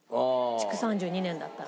築３２年だったら。